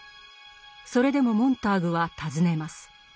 それでもモンターグは尋ねます。